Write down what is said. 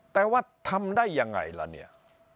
แต่ว่าทำได้ยังไงล่ะเนี่ย